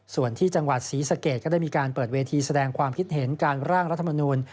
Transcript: ส่วนที่จังหวัดศรีสะเกดก็ได้มีการเปิดเวทีแสดงความคิดเห็นการร่างรัฐมนูล